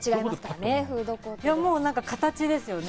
もう形ですよね。